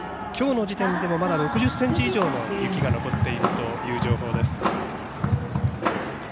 今日の時点でもまだ６０ｃｍ以上の雪が残っているという情報です。